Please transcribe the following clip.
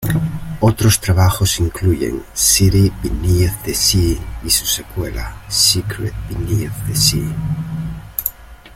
Otros trabajos incluyen "City Beneath the Sea" y su secuela "Secret beneath the Sea".